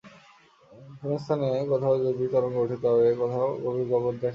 কোন স্থানে কোথাও যদি তরঙ্গ উঠে, তবে অন্য কোথাও গভীর গহ্বর দেখা দিবে।